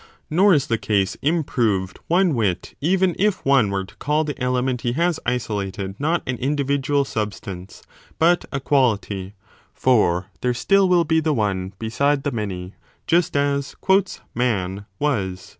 1 Nor is the case improved one whit even if one were to call the element he has isolated not an individual substance but a quality : for there will still be the one beside the many, just as Man was.